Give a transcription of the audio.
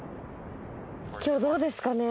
今日どうですかね。